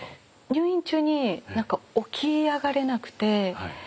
入院中に何か起き上がれなくて。